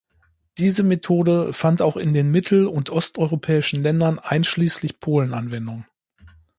Diese Methode fand auch in den mittel- und osteuropäischen Ländern einschließlich Polen Anwendung.